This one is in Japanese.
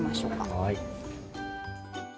はい。